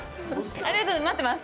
ありがとう、待ってます。